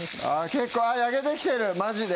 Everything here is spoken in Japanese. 結構あっ焼けてきてるマジで！